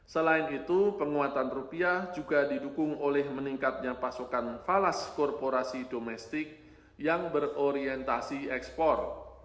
selain itu penguatan rupiah juga didukung oleh meningkatnya pasokan falas korporasi domestik yang berorientasi ekspor